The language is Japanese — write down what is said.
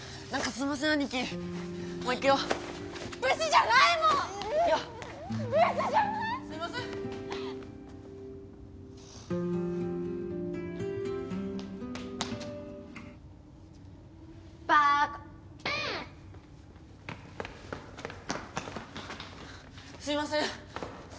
すんません。